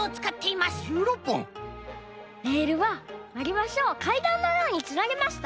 レールはわりばしをかいだんのようにつなげました。